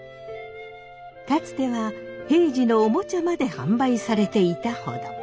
かつては平治のおもちゃまで販売されていたほど。